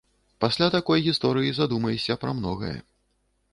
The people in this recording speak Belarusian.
Пасля такой гісторыі задумаешся пра многае.